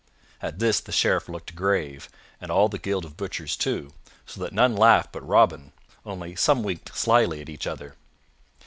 At this the Sheriff looked grave and all the guild of butchers too, so that none laughed but Robin, only some winked slyly at each other.